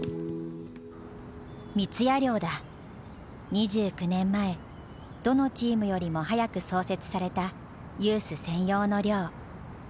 ２９年前どのチームよりも早く創設されたユース専用の寮。